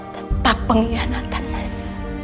tetap pengkhianatan mas